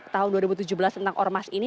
tahun dua ribu tujuh belas tentang ormas ini